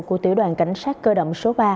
của tiểu đoàn cảnh sát cơ động số ba